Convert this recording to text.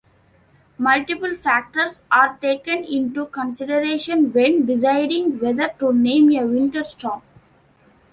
Multiple factors are taken into consideration when deciding whether to name a winter storm.